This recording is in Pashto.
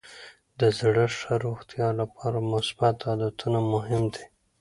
د زړه ښه روغتیا لپاره مثبت عادتونه مهم دي.